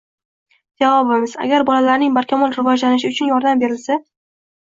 Javobimiz: Agar bolalarning barkamol rivojlanishlari uchun yordam berilsa